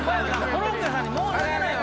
コロッケさんに申し訳ない。